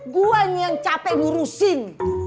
gue yang capek ngurusin